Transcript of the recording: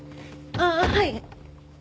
ああはい。